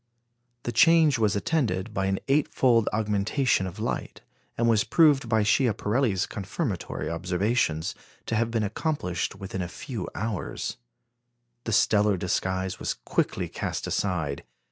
The change was attended by an eight fold augmentation of light, and was proved by Schiaparelli's confirmatory observations to have been accomplished within a few hours. The stellar disguise was quickly cast aside.